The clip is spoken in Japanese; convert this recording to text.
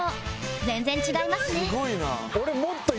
全然違いますね